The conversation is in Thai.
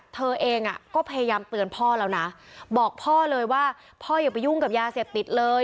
เธอเองก็พยายามเตือนพ่อแล้วนะบอกพ่อเลยว่าพ่ออย่าไปยุ่งกับยาเสพติดเลย